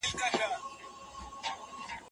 خپل مالونه د ښو کارونو لپاره وقف کړئ.